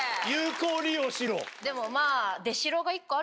でもまぁ。